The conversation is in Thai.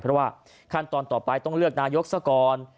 เพราะว่าขั้นตอนต่อไปต้องเลือกนายกซะก่อน